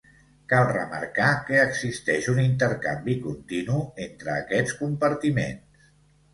Cal remarcar que existeix un intercanvi continu entre aquests compartiments.